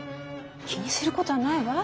気にすることはないわ。